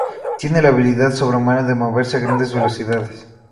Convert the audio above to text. Tiene la habilidad sobrehumana de moverse a grandes velocidades.